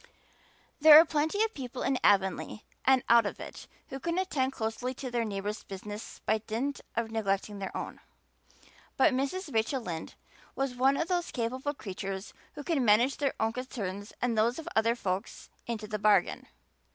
There are plenty of people in Avonlea and out of it, who can attend closely to their neighbor's business by dint of neglecting their own; but Mrs. Rachel Lynde was one of those capable creatures who can manage their own concerns and those of other folks into the bargain.